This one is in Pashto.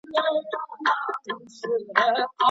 غوا بې واښو شیدې نه کوي.